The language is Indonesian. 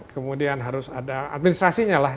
kemudian harus ada administrasinya lah